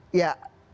hanya orang itu saja